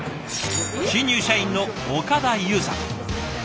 新入社員の岡田優さん。